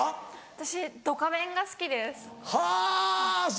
私『ドカベン』が好きです。